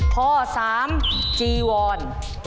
ข้อสามจีวร